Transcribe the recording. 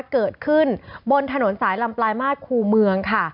เกิดขึ้นบนถนนสายลำปลายมาตรครูเมืองค่ะ